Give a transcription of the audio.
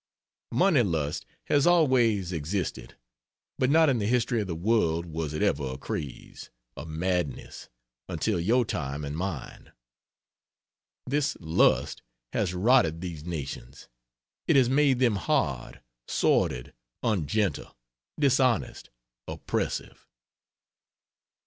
Money lust has always existed, but not in the history of the world was it ever a craze, a madness, until your time and mine. This lust has rotted these nations; it has made them hard, sordid, ungentle, dishonest, oppressive.